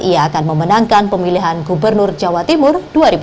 ia akan memenangkan pemilihan gubernur jawa timur dua ribu delapan belas